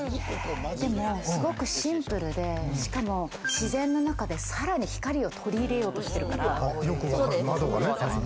でもすごくシンプルで、しかも自然の中でさらに光を取り入れようとしてるから。